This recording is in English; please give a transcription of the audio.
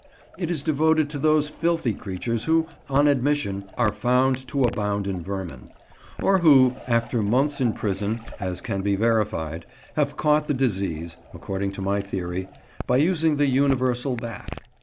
It is devoted to those filthy creatures who, on admission, are found to abound in vermin, or who, after months in prison—as can be verified—have caught the disease (according to my theory) by using the universal bath.